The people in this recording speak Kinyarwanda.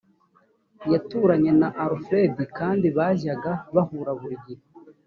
yaturanye na alfred kandi bajyaga bahura buri gihe